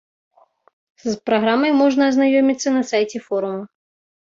З праграмай можна азнаёміцца на сайце форуму.